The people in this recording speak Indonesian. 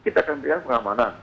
kita akan memberikan pengamanan